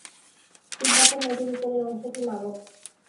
তিব্বতে নদীর উপরের অংশটি নাগক।